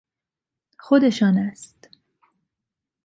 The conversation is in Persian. خودشان است.